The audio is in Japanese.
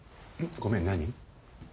ごめん何？